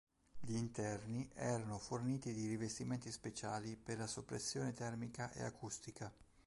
Gli interni erano forniti di rivestimenti speciali per la soppressione termica e acustica.